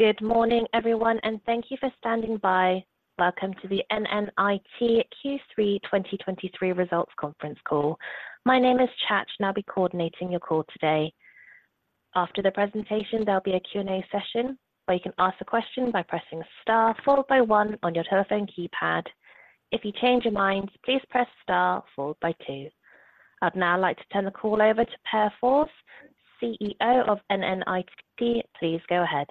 Good morning, everyone, and thank you for standing by. Welcome to the NNIT Q3 2023 Results Conference Call. My name is Chatch, and I'll be coordinating your call today. After the presentation, there'll be a Q&A session, where you can ask a question by pressing star followed by one on your telephone keypad. If you change your mind, please press star followed by two. I'd now like to turn the call over to Pär Fors, CEO of NNIT. Please go ahead.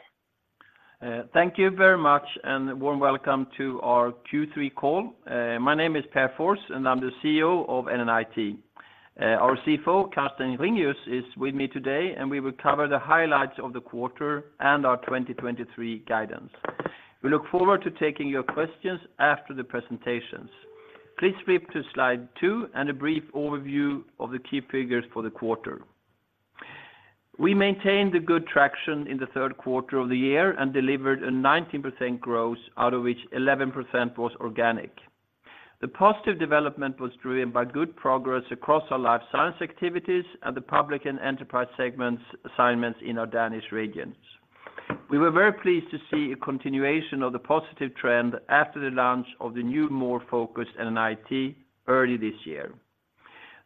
Thank you very much, and a warm welcome to our Q3 call. My name is Pär Fors, and I'm the CEO of NNIT. Our CFO, Carsten Ringius, is with me today, and we will cover the highlights of the quarter and our 2023 guidance. We look forward to taking your questions after the presentations. Please flip to slide 2 and a brief overview of the key figures for the quarter. We maintained the good traction in the Q3 of the year and delivered a 19% growth, out of which 11% was organic. The positive development was driven by good progress across our life science activities and the public and enterprise segments assignments in our Danish regions. We were very pleased to see a continuation of the positive trend after the launch of the new more focused NNIT early this year.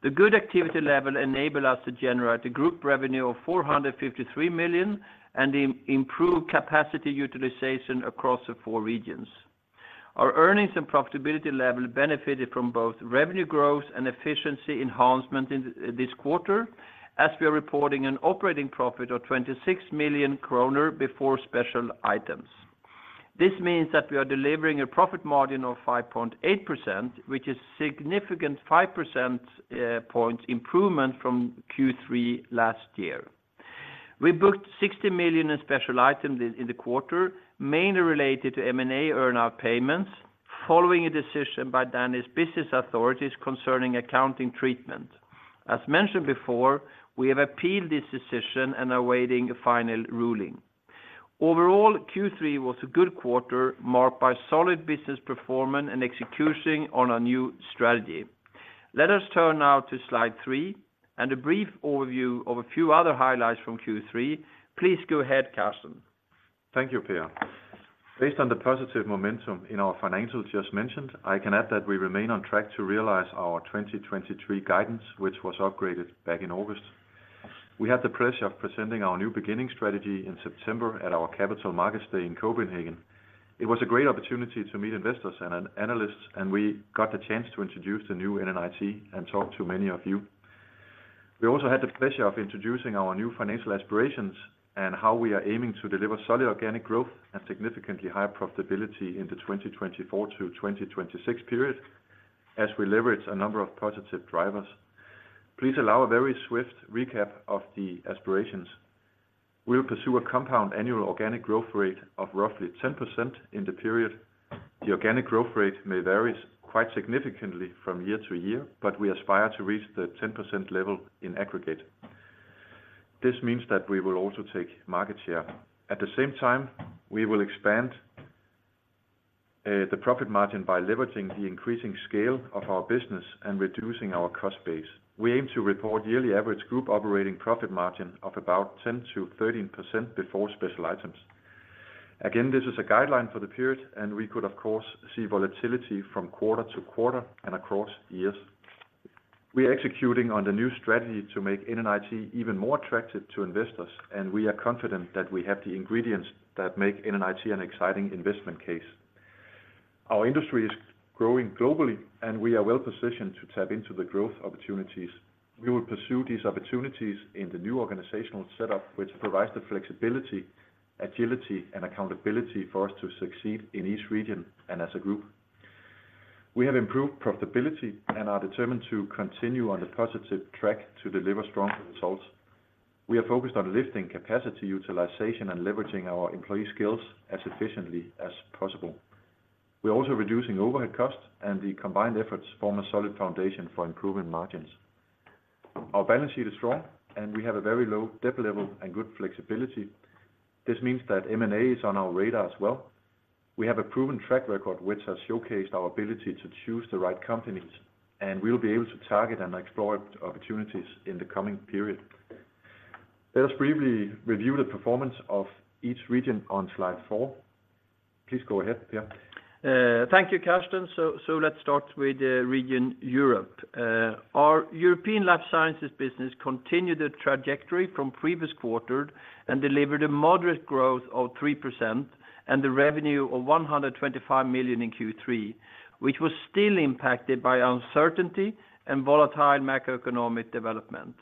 The good activity level enabled us to generate a group revenue of 453 million and improved capacity utilization across the four regions. Our earnings and profitability level benefited from both revenue growth and efficiency enhancement in this quarter, as we are reporting an operating profit of 26 million kroner before special items. This means that we are delivering a profit margin of 5.8%, which is significant 5 percentage points improvement from Q3 last year. We booked 60 million in special items in the quarter, mainly related to M&A earn-out payments, following a decision by Danish Business Authority concerning accounting treatment. As mentioned before, we have appealed this decision and are awaiting a final ruling. Overall, Q3 was a good quarter, marked by solid business performance and execution on our new strategy. Let us turn now to slide 3 and a brief overview of a few other highlights from Q3. Please go ahead, Carsten. Thank you, Pär. Based on the positive momentum in our financials just mentioned, I can add that we remain on track to realize our 2023 guidance, which was upgraded back in August. We had the pleasure of presenting our new beginning strategy in September at our Capital Markets Day in Copenhagen. It was a great opportunity to meet investors and analysts, and we got the chance to introduce the new NNIT and talk to many of you. We also had the pleasure of introducing our new financial aspirations and how we are aiming to deliver solid organic growth and significantly higher profitability in the 2024-2026 period, as we leverage a number of positive drivers. Please allow a very swift recap of the aspirations. We will pursue a compound annual organic growth rate of roughly 10% in the period. The organic growth rate may vary quite significantly from year to year, but we aspire to reach the 10% level in aggregate. This means that we will also take market share. At the same time, we will expand the profit margin by leveraging the increasing scale of our business and reducing our cost base. We aim to report yearly average group operating profit margin of about 10%-13% before special items. Again, this is a guideline for the period, and we could, of course, see volatility from quarter-to-quarter and across years. We are executing on the new strategy to make NNIT even more attractive to investors, and we are confident that we have the ingredients that make NNIT an exciting investment case. Our industry is growing globally, and we are well positioned to tap into the growth opportunities. We will pursue these opportunities in the new organizational setup, which provides the flexibility, agility, and accountability for us to succeed in each region and as a group. We have improved profitability and are determined to continue on the positive track to deliver strong results. We are focused on lifting capacity utilization and leveraging our employee skills as efficiently as possible. We're also reducing overhead costs, and the combined efforts form a solid foundation for improving margins. Our balance sheet is strong, and we have a very low debt level and good flexibility. This means that M&A is on our radar as well. We have a proven track record, which has showcased our ability to choose the right companies, and we'll be able to target and explore opportunities in the coming period. Let us briefly review the performance of each region on slide 4. Please go ahead, Pär. Thank you, Carsten. So let's start with Region Europe. Our European life sciences business continued the trajectory from previous quarter and delivered a moderate growth of 3% and the revenue of 125 million in Q3, which was still impacted by uncertainty and volatile macroeconomic development.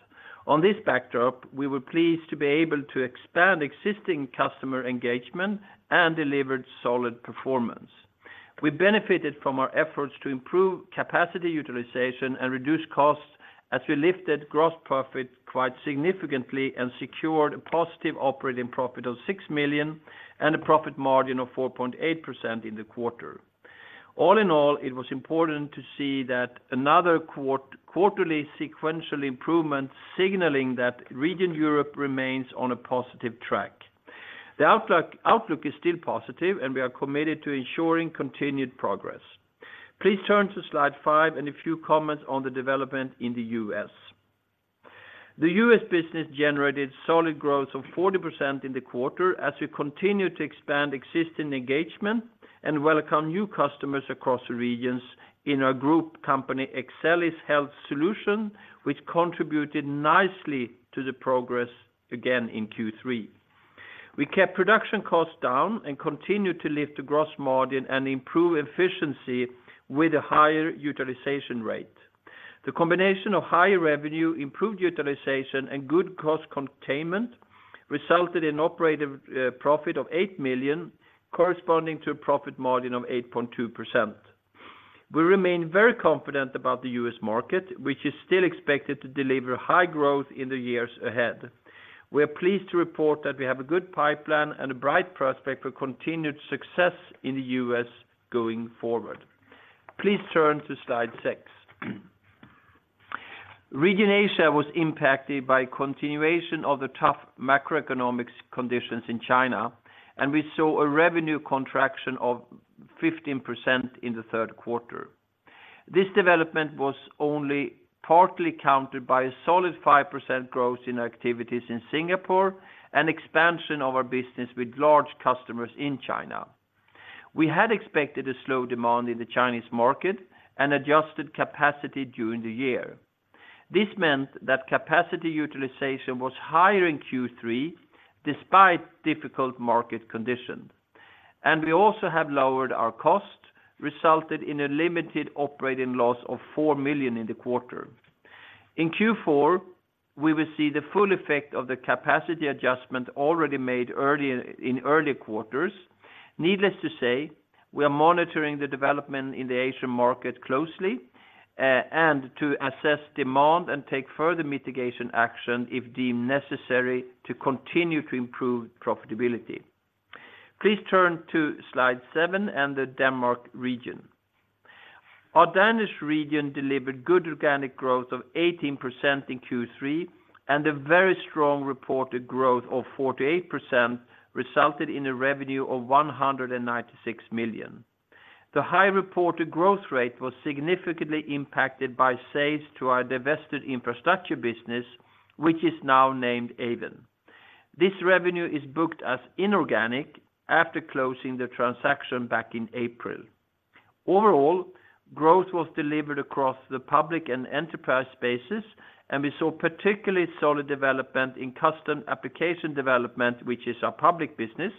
On this backdrop, we were pleased to be able to expand existing customer engagement and delivered solid performance. We benefited from our efforts to improve capacity utilization and reduce costs, as we lifted gross profit quite significantly and secured a positive operating profit of 6 million and a profit margin of 4.8% in the quarter. All in all, it was important to see that another quarterly sequential improvement, signaling that Region Europe remains on a positive track. The outlook is still positive, and we are committed to ensuring continued progress. Please turn to slide 5 and a few comments on the development in the US. The US business generated solid growth of 40% in the quarter as we continue to expand existing engagement and welcome new customers across the regions in our group company, Excellis Health Solutions, which contributed nicely to the progress again in Q3. We kept production costs down and continued to lift the gross margin and improve efficiency with a higher utilization rate. The combination of higher revenue, improved utilization, and good cost containment resulted in operating profit of 8 million, corresponding to a profit margin of 8.2%. We remain very confident about the US market, which is still expected to deliver high growth in the years ahead. We are pleased to report that we have a good pipeline and a bright prospect for continued success in the US going forward. Please turn to slide 6. Region Asia was impacted by continuation of the tough macroeconomic conditions in China, and we saw a revenue contraction of 15% in the Q3. This development was only partly countered by a solid 5% growth in activities in Singapore and expansion of our business with large customers in China. We had expected a slow demand in the Chinese market and adjusted capacity during the year. This meant that capacity utilization was higher in Q3, despite difficult market conditions, and we also have lowered our cost, resulted in a limited operating loss of 4 million in the quarter. In Q4, we will see the full effect of the capacity adjustment already made earlier, in earlier quarters. Needless to say, we are monitoring the development in the Asian market closely, and to assess demand and take further mitigation action, if deemed necessary, to continue to improve profitability. Please turn to slide 7 and the Denmark region. Our Danish region delivered good organic growth of 18% in Q3, and a very strong reported growth of 48% resulted in a revenue of 196 million. The high reported growth rate was significantly impacted by sales to our divested infrastructure business, which is now named Aeven. This revenue is booked as inorganic after closing the transaction back in April. Overall, growth was delivered across the public and enterprise spaces, and we saw particularly solid development in custom application development, which is our public business,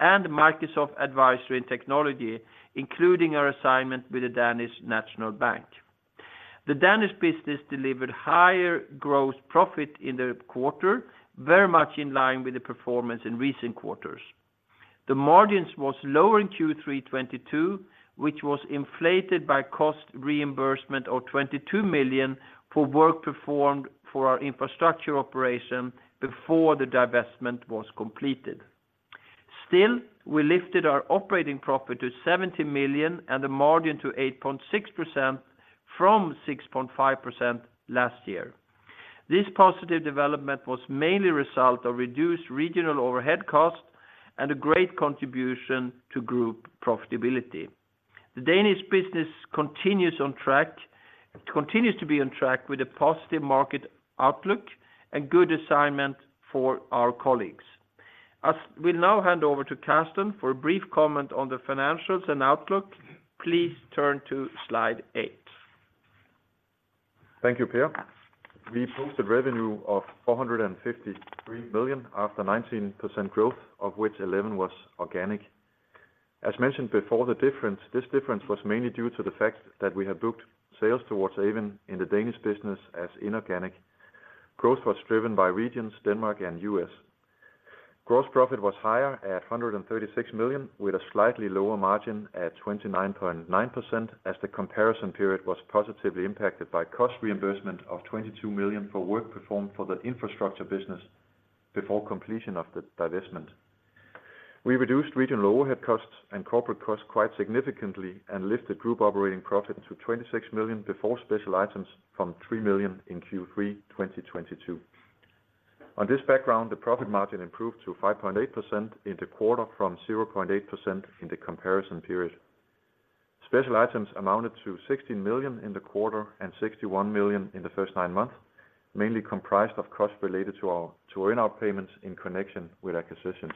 and Microsoft Advisory and Technology, including our assignment with the Danish National Bank. The Danish business delivered higher gross profit in the quarter, very much in line with the performance in recent quarters. The margins was lower in Q3 2022, which was inflated by cost reimbursement of 22 million for work performed for our infrastructure operation before the divestment was completed. Still, we lifted our operating profit to 70 million and a margin to 8.6% from 6.5% last year. This positive development was mainly a result of reduced regional overhead costs and a great contribution to group profitability. The Danish business continues to be on track with a positive market outlook and good assignment for our colleagues. We'll now hand over to Carsten for a brief comment on the financials and outlook. Please turn to slide 8. Thank you, Pär. We posted revenue of 453 million after 19% growth, of which 11 was organic. As mentioned before, the difference, this difference was mainly due to the fact that we had booked sales towards Aeven in the Danish business as inorganic. Growth was driven by regions, Denmark and U.S. Gross profit was higher at 136 million, with a slightly lower margin at 29.9%, as the comparison period was positively impacted by cost reimbursement of 22 million for work performed for the infrastructure business before completion of the divestment. We reduced regional overhead costs and corporate costs quite significantly and lifted group operating profit to 26 million before Special Items from 3 million in Q3 2022. On this background, the profit margin improved to 5.8% in the quarter from 0.8% in the comparison period. Special items amounted to 16 million in the quarter and 61 million in the first nine months, mainly comprised of costs related to our earn-out payments in connection with acquisitions.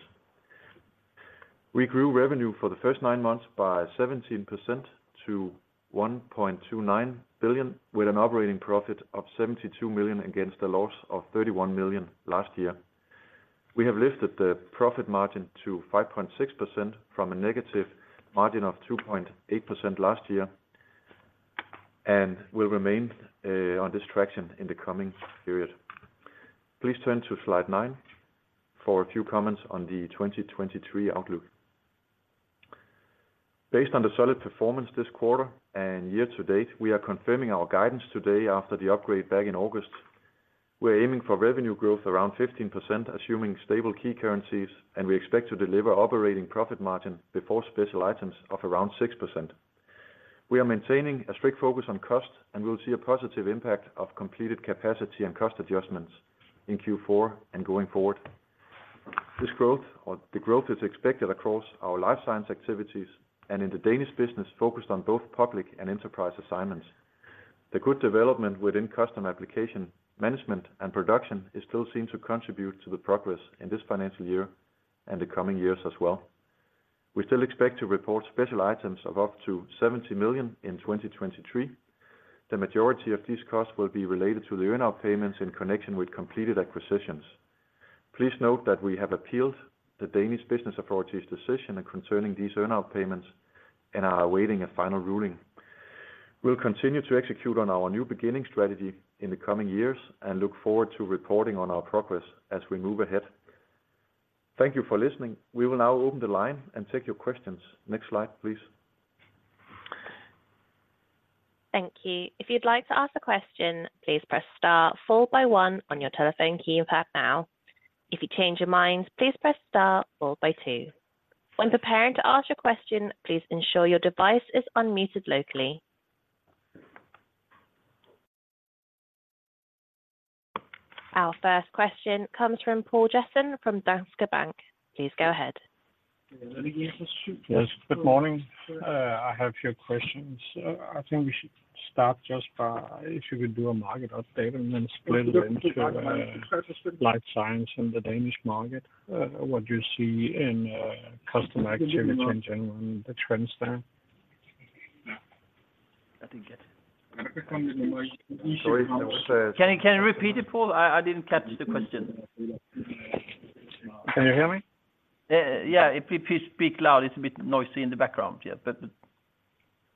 We grew revenue for the first nine months by 17% to 1.29 billion, with an operating profit of 72 million against a loss of 31 million last year. We have lifted the profit margin to 5.6% from a negative margin of 2.8% last year, and will remain on this traction in the coming period. Please turn to slide 9 for a few comments on the 2023 outlook. Based on the solid performance this quarter and year to date, we are confirming our guidance today after the upgrade back in August. We are aiming for revenue growth around 15%, assuming stable key currencies, and we expect to deliver operating profit margin before special items of around 6%. We are maintaining a strict focus on cost, and we'll see a positive impact of completed capacity and cost adjustments in Q4 and going forward. This growth is expected across our life science activities and in the Danish business, focused on both public and enterprise assignments. The good development within custom application, management, and production is still seen to contribute to the progress in this financial year and the coming years as well. We still expect to report special items of up to 70 million in 2023. The majority of these costs will be related to the earn-out payments in connection with completed acquisitions. Please note that we have appealed the Danish Business Authority's decision and concerning these earn-out payments, and are awaiting a final ruling. We'll continue to execute on our new beginning strategy in the coming years and look forward to reporting on our progress as we move ahead. Thank you for listening. We will now open the line and take your questions. Next slide, please. Thank you. If you'd like to ask a question, please press star four by one on your telephone keypad now. If you change your mind, please press star four by two. When preparing to ask your question, please ensure your device is unmuted locally. Our first question comes from Poul Jessen, from Danske Bank. Please go ahead. Yes, good morning. I have a few questions. I think we should start just by, if you could do a market update and then split it into, life science and the Danish market, what you see in, customer activity in general and the trends there. I think it- Sorry, uh, Can you repeat it, Paul? I didn't catch the question. Can you hear me? Yeah, if you please speak loud, it's a bit noisy in the background.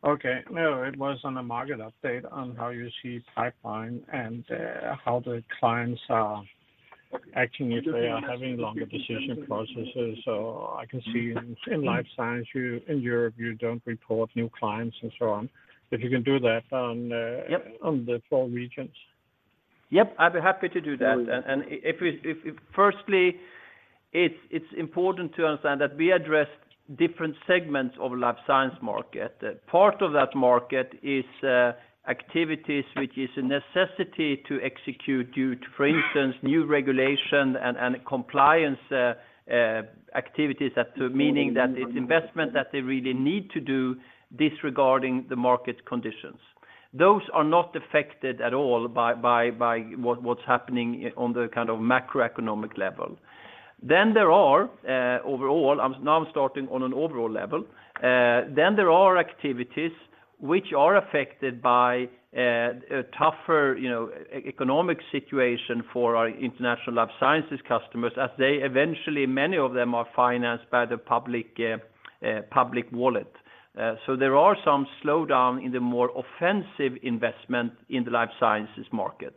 Okay. No, it was on a market update on how you see pipeline and how the clients are acting, if they are having longer decision processes. So I can see in life science, you in Europe, you don't report new clients and so on. If you can do that on the- Yep On the four regions. Yep, I'd be happy to do that. And if firstly, it's important to understand that we address different segments of life science market. Part of that market is activities which is a necessity to execute due to, for instance, new regulation and compliance activities. That too meaning that it's investment that they really need to do, disregarding the market conditions. Those are not affected at all by what's happening on the kind of macroeconomic level. Then there are overall, I'm now starting on an overall level. Then there are activities which are affected by a tougher, you know, economic situation for our international life sciences customers, as they eventually, many of them are financed by the public wallet. So there are some slowdown in the more offensive investment in the life sciences market.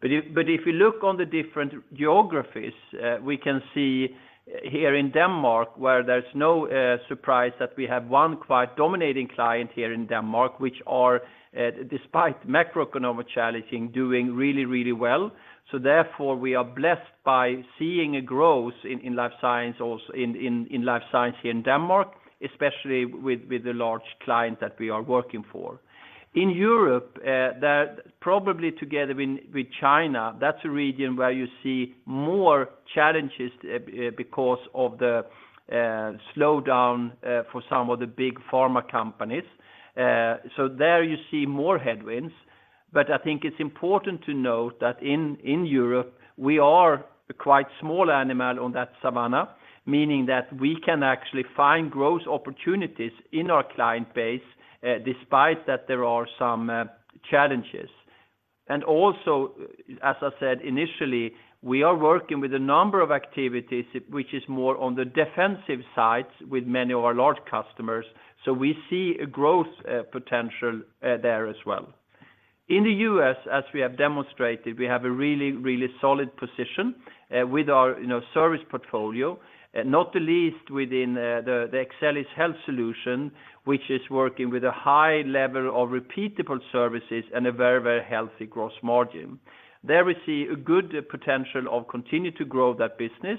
But if you look on the different geographies, we can see here in Denmark, where there's no surprise that we have one quite dominating client here in Denmark, which are, despite macroeconomic challenging, doing really, really well. So therefore, we are blessed by seeing a growth in life science also in life science here in Denmark, especially with the large client that we are working for. In Europe, that probably together with China, that's a region where you see more challenges, because of the slowdown for some of the big pharma companies. So there you see more headwinds, but I think it's important to note that in Europe, we are a quite small animal on that savannah, meaning that we can actually find growth opportunities in our client base, despite that there are some challenges. Also, as I said initially, we are working with a number of activities, which is more on the defensive sides with many of our large customers, so we see a growth potential there as well. In the US, as we have demonstrated, we have a really, really solid position with our, you know, service portfolio, not the least within the Excellis Health Solutions, which is working with a high level of repeatable services and a very, very healthy growth margin. There we see a good potential of continue to grow that business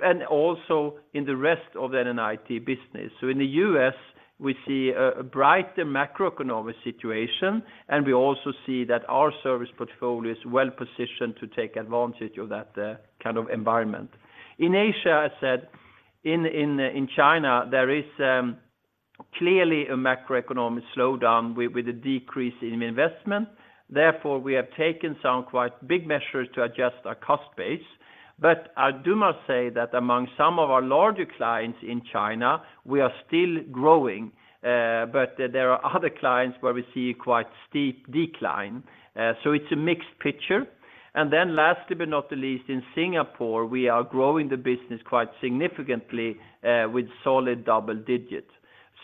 and also in the rest of the NNIT business. So in the U.S., we see a brighter macroeconomic situation, and we also see that our service portfolio is well positioned to take advantage of that kind of environment. In Asia, I said, in China, there is clearly a macroeconomic slowdown with a decrease in investment. Therefore, we have taken some quite big measures to adjust our cost base. But I do must say that among some of our larger clients in China, we are still growing, but there are other clients where we see a quite steep decline. So it's a mixed picture. And then lastly, but not the least, in Singapore, we are growing the business quite significantly with solid double digits.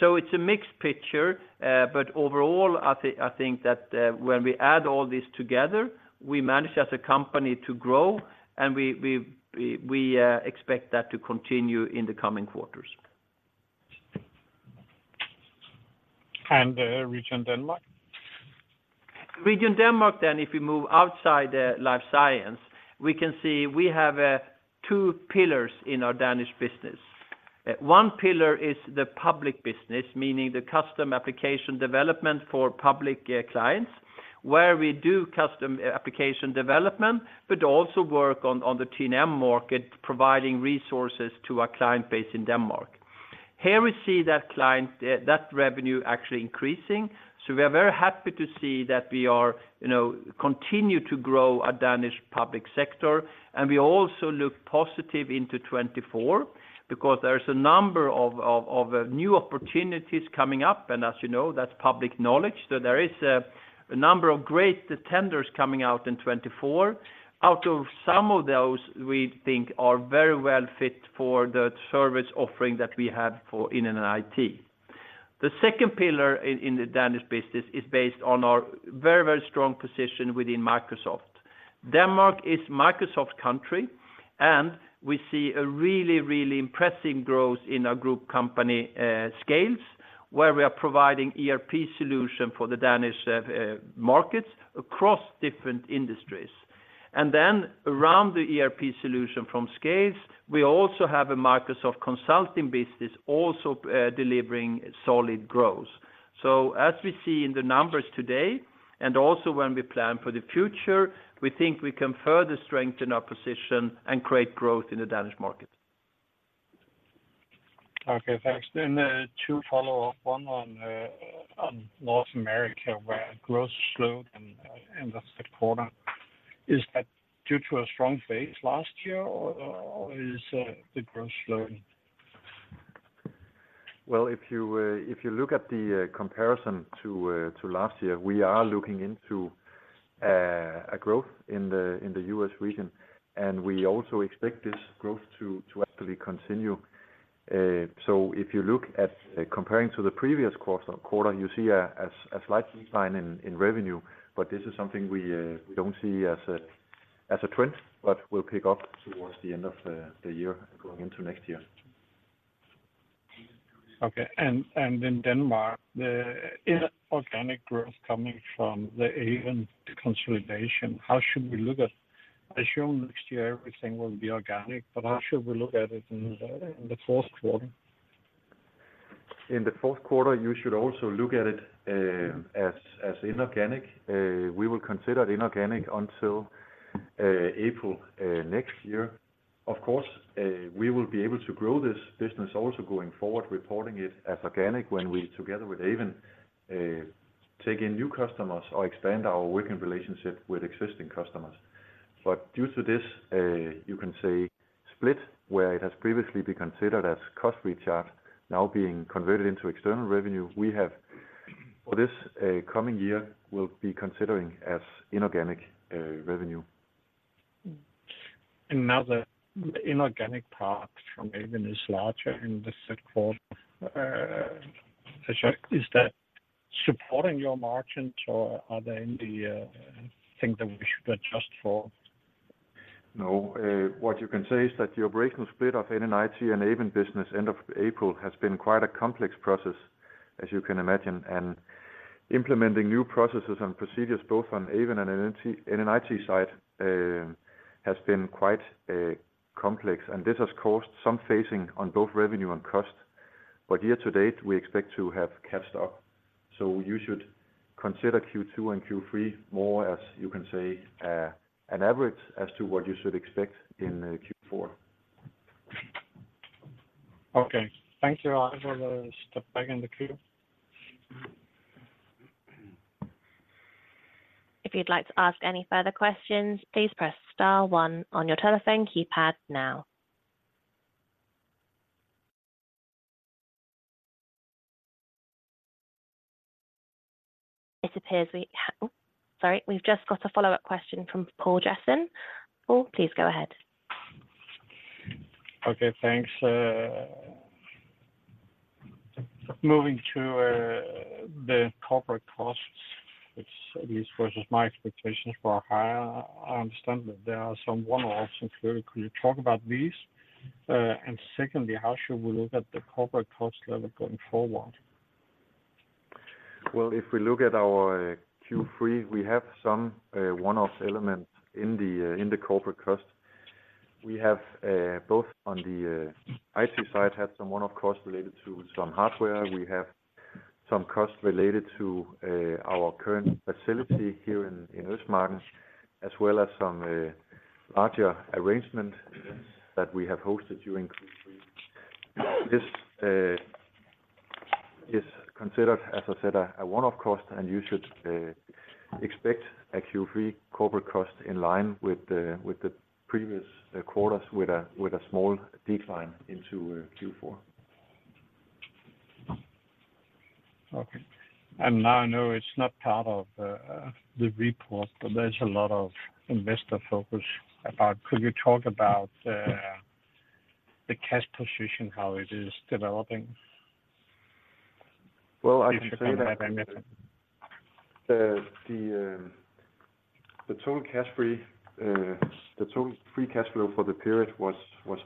So it's a mixed picture, but overall, I think that when we add all this together, we manage as a company to grow, and we expect that to continue in the coming quarters. Region Denmark? Region Denmark, then if we move outside the life science, we can see we have two pillars in our Danish business. One pillar is the public business, meaning the custom application development for public clients, where we do custom application development, but also work on the T&M market, providing resources to our client base in Denmark. Here we see that client that revenue actually increasing, so we are very happy to see that we are, you know, continue to grow our Danish public sector, and we also look positive into 2024 because there's a number of new opportunities coming up, and as you know, that's public knowledge. So there is a number of great tenders coming out in 2024. Out of some of those, we think are very well fit for the service offering that we have for NNIT. The second pillar in the Danish business is based on our very, very strong position within Microsoft. Denmark is Microsoft's country, and we see a really, really impressive growth in our group company, SCALES, where we are providing ERP solution for the Danish markets across different industries. And then around the ERP solution from SCALES, we also have a Microsoft consulting business also delivering solid growth. So as we see in the numbers today, and also when we plan for the future, we think we can further strengthen our position and create growth in the Danish market. Okay, thanks. Then, two follow up. One on North America, where growth slowed in the Q3. Is that due to a strong phase last year or is the growth slowing? Well, if you look at the comparison to last year, we are looking into a growth in the U.S. region, and we also expect this growth to actually continue. So if you look at comparing to the previous quarter, you see a slight decline in revenue, but this is something we don't see as a trend, but will pick up towards the end of the year going into next year. Okay. And in Denmark, the inorganic growth coming from the Aeven consolidation, how should we look at I assume next year everything will be organic, but how should we look at it in the Q4? In the Q4, you should also look at it as inorganic. We will consider it inorganic until April next year. Of course, we will be able to grow this business also going forward, reporting it as organic, when we, together with Aeven, take in new customers or expand our working relationship with existing customers. But due to this, you can say split, where it has previously been considered as cost center now being converted into external revenue, we have, for this coming year, will be considering as inorganic revenue. Now the inorganic part from Aeven is larger in the Q2. Is that supporting your margins or are they the thing that we should adjust for? No, what you can say is that the operational split of NNIT and Aeven business end of April has been quite a complex process, as you can imagine, and implementing new processes and procedures, both on Aeven and NNIT, NNIT side, has been quite complex, and this has caused some phasing on both revenue and cost. But year to date, we expect to have caught up. So you should consider Q2 and Q3 more as you can say an average as to what you should expect in Q4. Okay. Thank you. I will step back in the queue. If you'd like to ask any further questions, please press star one on your telephone keypad now. It appears we. Sorry, we've just got a follow-up question from Poul Jessen. Poul, please go ahead. Okay, thanks. Moving to the corporate costs, which at least versus my expectations for higher, I understand that there are some options. Could you talk about these? And secondly, how should we look at the corporate cost level going forward? Well, if we look at our Q3, we have some one-off elements in the corporate cost. We have both on the IT side, had some one-off costs related to some hardware. We have some costs related to our current facility here in Østmarken, as well as some larger arrangement that we have hosted during Q3. This is considered, as I said, a one-off cost, and you should expect a Q3 corporate cost in line with the previous quarters, with a small decline into Q4. Okay. Now I know it's not part of the report, but there's a lot of investor focus about the cash position. Could you talk about the cash position, how it is developing? Well, I can say that- The total free cash flow for the period was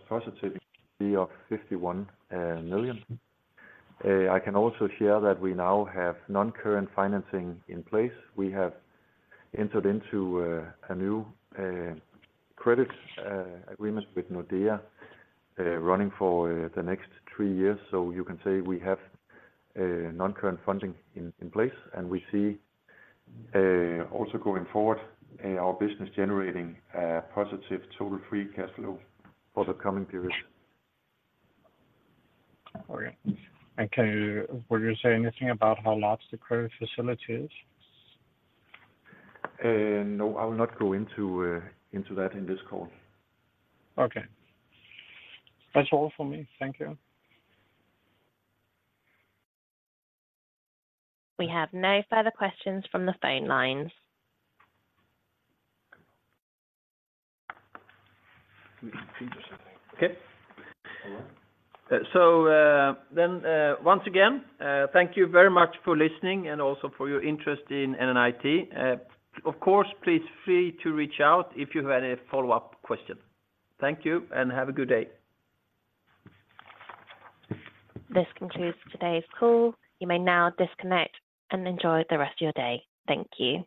positive 51 million. I can also share that we now have non-current financing in place. We have entered into a new credit agreement with Nordea running for the next 3 years. So you can say we have non-current funding in place, and we see also going forward our business generating positive total free cash flow for the coming periods. Okay. And can you-Will you say anything about how large the credit facility is? No, I will not go into that in this call. Okay. That's all for me. Thank you. We have no further questions from the phone lines. Okay. So, then, thank you very much for listening and also for your interest in NNIT. Of course, please feel free to reach out if you have any follow-up questions. Thank you and have a good day. This concludes today's call. You may now disconnect and enjoy the rest of your day. Thank you.